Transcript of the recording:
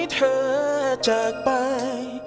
ที่